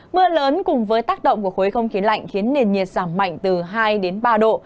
mưa lớn cùng với tác động của khối không khí lạnh khiến nền nhiệt giảm mạnh từ hai đến ba độ